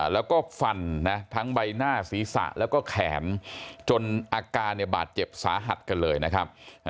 แล้วก็ฟันนะทั้งใบหน้าศีรษะแล้วก็แขนจนอาการเนี่ยบาดเจ็บสาหัสกันเลยนะครับ